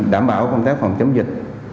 đảm bảo công tác phòng chống dịch